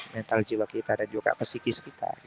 mental jiwa kita dan juga pesikis kita